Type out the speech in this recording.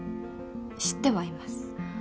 知ってはいます。